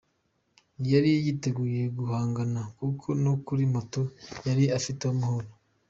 Yari yiteguye guhangana kuko no kuri moto yari afiteho umuhoro.